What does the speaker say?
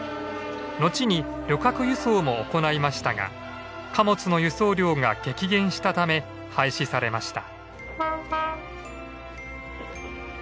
後に旅客輸送も行いましたが貨物の輸送量が激減したため廃止されました。